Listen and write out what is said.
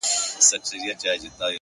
اخلاق د انسان تلپاتې پانګه ده!.